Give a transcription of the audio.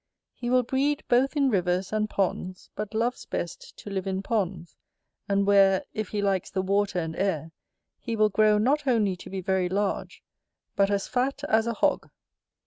He will breed both in rivers and ponds: but loves best to live in ponds, and where, if he likes the water and air, he will grow not only to be very large, but as fat as a hog.